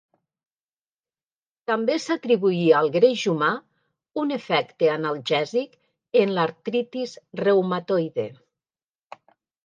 També s'atribuïa al greix humà un efecte analgèsic en l'artritis reumatoide.